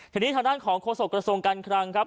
ทีนี้ทางด้านของโฆษกระทรวงการคลังครับ